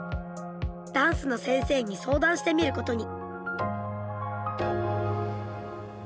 ダンスの先生に相談してみることに。